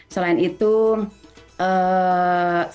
selain itu seperti